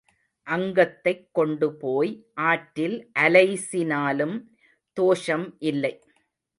அங்கத்தைக் கொண்டு போய் ஆற்றில் அலைசினாலும் தோஷம் இல்லை,